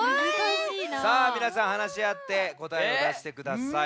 さあみなさんはなしあってこたえをだしてください。